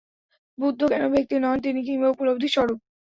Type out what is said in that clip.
বুদ্ধ কোন ব্যক্তি নন, তিনিকিংবা উপলব্ধির স্বরূপ।